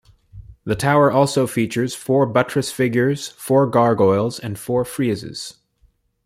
The tower also features four buttress figures, four gargoyles and four friezes.